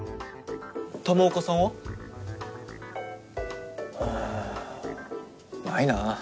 玉岡さんは？うんないな。